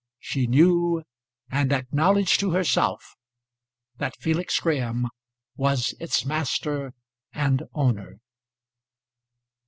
She knew and acknowledged to herself that Felix Graham was its master and owner.